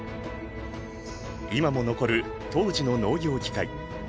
今も残る当時の農業機械。